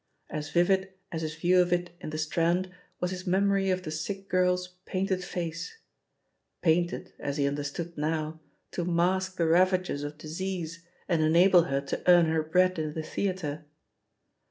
As vivid as his view of it in the Strand was his memory of the sick girl's painted face — ^painted, as he understood now, to mask the ravages of disease and enable her to earn her bread in the theatre.